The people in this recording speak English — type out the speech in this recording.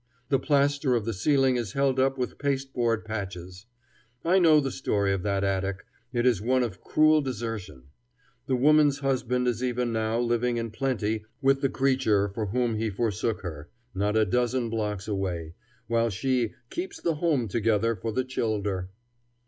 The plaster of the ceiling is held up with pasteboard patches. I know the story of that attic. It is one of cruel desertion. The woman's husband is even now living in plenty with the creature for whom he forsook her, not a dozen blocks away, while she "keeps the home together for the childer."